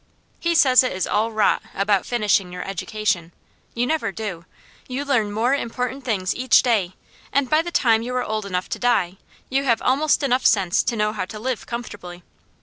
He says it is all rot about 'finishing' your education. You never do. You learn more important things each day, and by the time you are old enough to die, you have almost enough sense to know how to live comfortably.